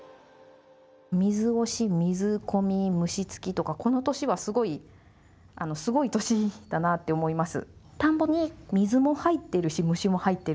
「水押し」「水込み」「虫付き」とかこの年はすごいすごい年だなって思います。